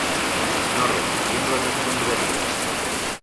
No recollim les escombraries.